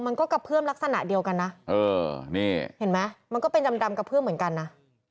มันก็กระเพื่อมลักษณะเดียวกันนะเออนี่เห็นไหมมันก็เป็นดำกระเพื่อมเหมือนกันนะ